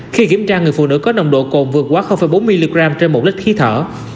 khi kiểm tra người phụ nữ có nồng độ cồn vượt quá bốn mg trên một lít khí thở